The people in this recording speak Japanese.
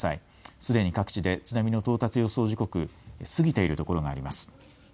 すでに各地で津波の到達予想時刻、過ぎている所があります。